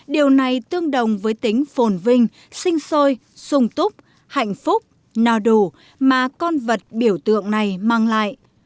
điều này tương đồng với tính phồn vinh xinh xôi sung túc hạnh phúc nào đủ mà con vật biểu tượng này mang lên